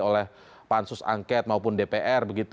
oleh pansus angket maupun dpr